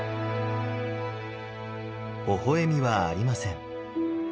ほほ笑みはありません。